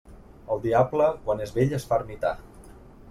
El diable, quan és vell, es fa ermità.